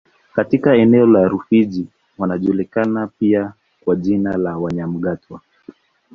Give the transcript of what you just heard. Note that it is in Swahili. Katika eneo la Rufiji wanajulikana pia kwa jina la Wamyagatwa